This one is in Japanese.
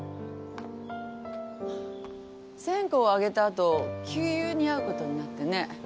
線香を上げた後旧友に会うことになってね。